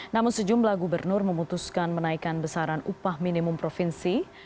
namun sejumlah gubernur memutuskan menaikkan besaran upah minimum provinsi